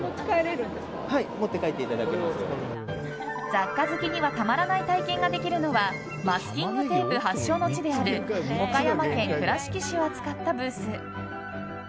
雑貨好きにはたまらない体験ができるのはマスキングテープ発祥の地である岡山県倉敷市を扱ったブース。